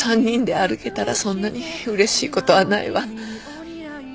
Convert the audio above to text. ３人で歩けたらそんなにうれしいことはないわ。